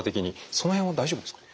その辺は大丈夫ですか？